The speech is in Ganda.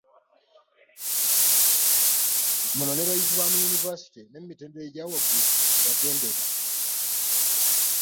Muno n’abayizi mu Yunivaasite n’emitendera egya waggulu mwe bagendera.